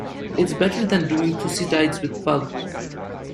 It's better than doing Thucydides with Pugh.